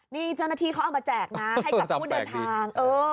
นี่เจ้าหน้าที่เขาเอามาแจกนะให้กับผู้เดินทาง